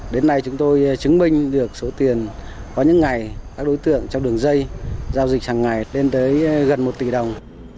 đến nay chúng tôi chứng minh được số tiền có những ngày các đối tượng trong đường dây giao dịch hàng ngày lên tới gần một tỷ đồng